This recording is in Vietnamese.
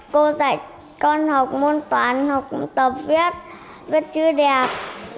cô dạy con học môn toán học tập viết viết chữ đẹp